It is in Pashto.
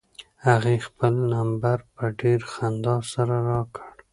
هغې خپل نمبر په ډېرې خندا سره راکړ.